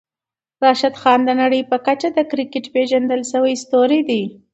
راشدخان د نړۍ په کچه د کريکيټ پېژندل شوی ستوری دی.